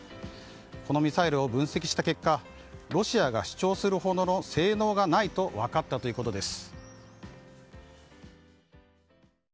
このミサイルを分析した結果ロシアが主張するほどの性能がないと分かったということです。